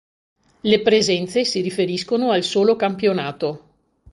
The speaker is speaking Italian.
Le presenze si riferiscono al solo campionato.